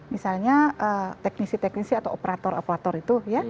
misalnya teknisi teknisi atau operator operator itu ya